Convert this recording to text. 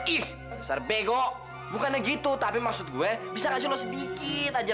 ih besar bego bukannya gitu tapi maksud gua bisa kasih lu sedikit aja